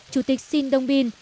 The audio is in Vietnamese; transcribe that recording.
chủ tịch sin dongbin